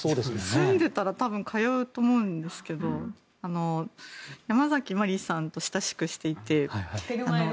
住んでいたら多分、通うと思うんですけどヤマザキマリさんと親しくしていて。